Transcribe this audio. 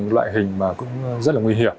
loại hình cũng rất là nguy hiểm